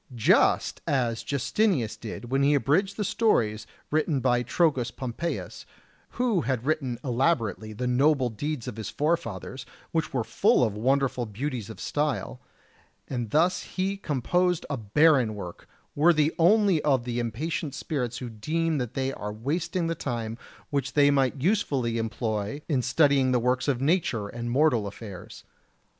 Just as Justinius did when he abridged the stories written by Trogus Pompeius, who had written elaborately the noble deeds of his forefathers, which were full of wonderful beauties of style; and thus he composed a barren work, worthy only of the impatient spirits who deem that they are wasting the time which they might usefully employ in studying the works of nature and mortal affairs.